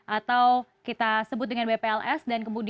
atau kita sebut dengan bpls